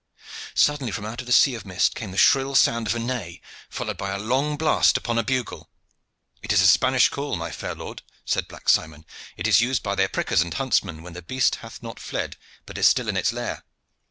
Suddenly from out the sea of mist came the shrill sound of a neigh, followed by a long blast upon a bugle. "It is a Spanish call, my fair lord," said Black Simon. "It is used by their prickers and huntsmen when the beast hath not fled, but is still in its lair."